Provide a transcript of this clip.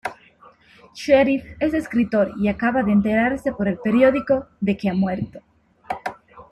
Cherif es escritor y acaba de enterarse por el periódico de que ha muerto.